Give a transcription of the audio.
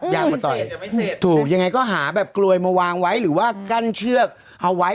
อยากมาต่อยถูกยังไงก็หาแบบกลวยมาวางไว้หรือว่ากั้นเชือกเอาไว้